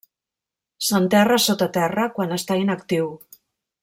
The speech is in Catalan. S'enterra sota terra quan està inactiu.